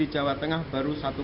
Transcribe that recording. jawa tengah baru satu